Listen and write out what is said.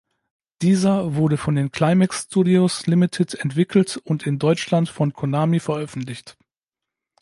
Dieser wurde von den Climax Studios Ltd entwickelt und in Deutschland von Konami veröffentlicht.